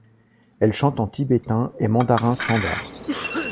Elle chante en tibétain et mandarin standard.